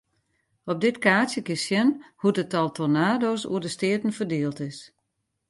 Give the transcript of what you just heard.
Op dit kaartsje kinst sjen hoe't it tal tornado's oer de steaten ferdield is.